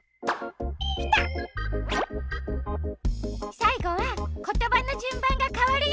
さいごはことばのじゅんばんがかわるよ。